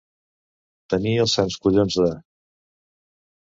Tenir els sants collons de.